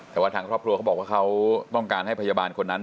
แต่ว่าทางครอบครัวเขาบอกว่าเขาต้องการให้พยาบาลคนนั้น